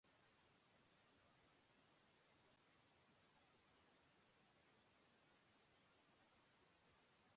This established a separate Battle Staff organization.